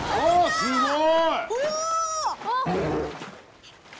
すごい！